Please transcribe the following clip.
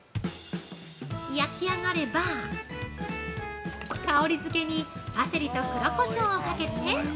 焼き上がれば香りづけにパセリと黒胡椒をかけて◆